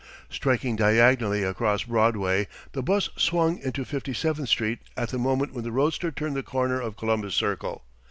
Striking diagonally across Broadway the 'bus swung into Fifty seventh Street at the moment when the roadster turned the corner of Columbus Circle.